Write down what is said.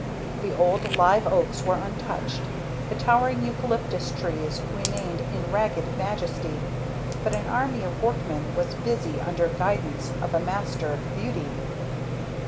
The old live oaks were untouched; the towering eucalyptus trees remained in ragged majesty; but an army of workmen was busy under guidance of a master of beauty.